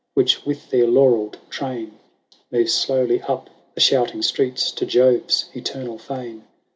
Which with their laurelled train Move slowly up the shouting streets To Jove's eternal fane.